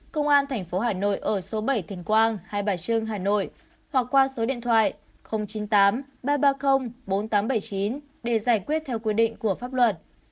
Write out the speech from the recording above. công an tp hà nội ở số bảy thình quang hai bà trưng hà nội hoặc qua số điện thoại chín mươi tám ba trăm ba mươi bốn nghìn tám trăm bảy mươi chín để giải quyết theo quy định của pháp luật